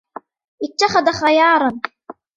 اتخذ خياراً.